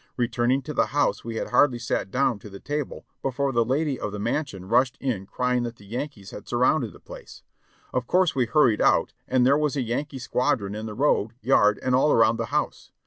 Returning to the house we had hardly sat down to the table be fore the lady of the mansion rushed in crying that the Yankees had surrounded the place. Of course we hurried out, and there was a Yankee squadron in the road, yard, and all around the house.